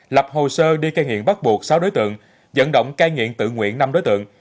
lập hồ sơ đi cây nghiện bắt buộc sáu đối tượng dẫn động cai nghiện tự nguyện năm đối tượng